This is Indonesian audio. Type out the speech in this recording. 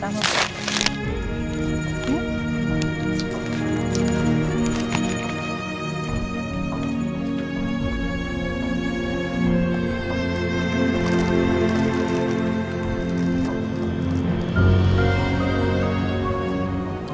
sampai jumpa lagi